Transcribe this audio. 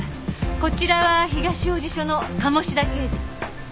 こちらは東王子署の鴨志田刑事。